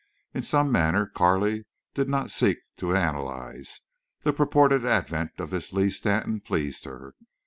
In some manner Carley did not seek to analyze, the purported advent of this Lee Stanton pleased her.